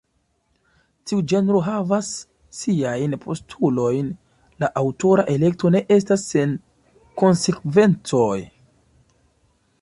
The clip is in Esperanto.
Tiu ĝenro havas siajn postulojn: la aŭtora elekto ne estas sen konsekvencoj.